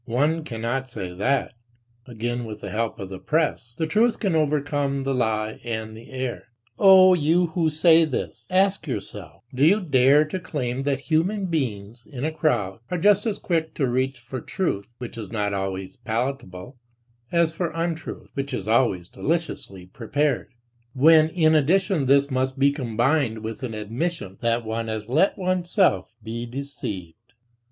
One cannot say that, again with the help of the press, "the truth" can overcome the lie and the error. O, you who say this, ask yourself: Do you dare to claim that human beings, in a crowd, are just as quick to reach for truth, which is not always palatable, as for untruth, which is always deliciously prepared, when in addition this must be combined with an admission that one has let oneself be deceived!